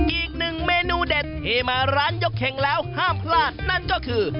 อีกหนึ่งเมนูเด็ดที่มาร้านยกเข็งแล้วห้ามพลาดนั่นก็คือ